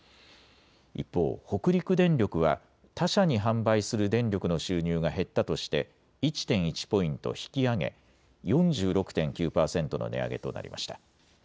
一方、北陸電力は他社に販売する電力の収入が減ったとして１．１ポイント引き上げ４６．９％の値上げとなりました。